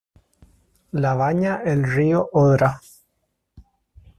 La baña el río Odra.